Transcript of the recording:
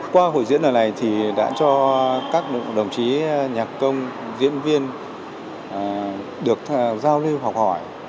qua hội diễn lần này thì đã cho các đồng chí nhạc công diễn viên được giao lưu học hỏi